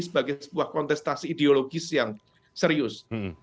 sebagai sebuah kontestasi ideologis yang serius